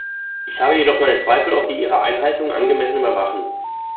Ich habe jedoch meine Zweifel, ob wir ihre Einhaltung angemessen überwachen.